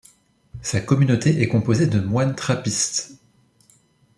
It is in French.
Sa communauté est composée de moines trappistes.